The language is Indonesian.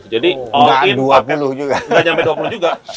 jadi nggak nyampe dua puluh juga